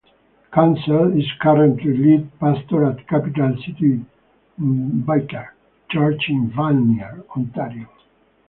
Counsell is currently lead pastor at Capital City Biker Church in Vanier, Ontario.